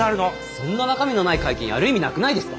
そんな中身のない会見やる意味なくないですか？